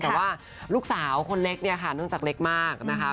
แต่ว่าลูกสาวคนเล็กเนี่ยค่ะเนื่องจากเล็กมากนะคะ